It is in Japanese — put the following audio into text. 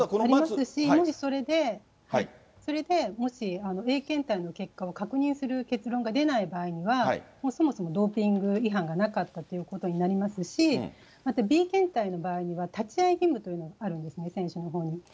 ありますし、もしそれで、もしＡ検体の結果を確認する結論が出ない場合には、そもそもドーピング違反がなかったということになりますし、またＢ検体の場合には、立ち会い義務というのがあるんですね、選手のほうに。